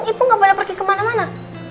ibu gak boleh pergi kemana mana